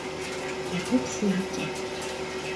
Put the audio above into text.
Абы псы икӀэ.